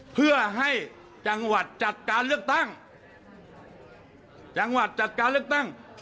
เพื่อให้จังหวัดจัดการเลือกตั้งจังหวัดจัดการเลือกตั้ง